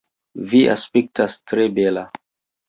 Vi aspektas tre bela